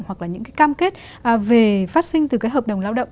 hoặc là những cái cam kết về phát sinh từ cái hợp đồng lao động